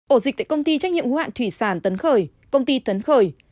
ổ dịch tại công ty trách nhiệm hữu hạn thủy sản tấn khởi công ty tấn khởi